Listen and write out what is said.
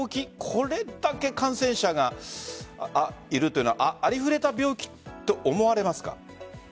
これだけ感染者がいるというのはありふれた病気と思われますか？